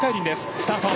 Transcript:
スタート。